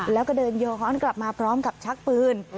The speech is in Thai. แล้วก็เดินโยค้อนกลับมาพร้อมกับชักปืน